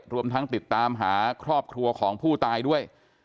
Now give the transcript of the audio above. รวมทั้งติดตามหาครอบครัวของผู้ตายด้วย